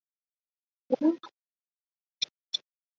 此外草甘膦也可以抑制其他植物酶和动物酶的活性。